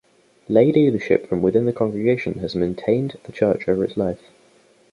Lay leadership from within the congregation has maintained the church over its life.